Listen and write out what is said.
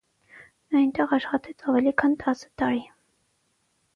Նա այնտեղ աշխատեց ավելի քան տասը տարի։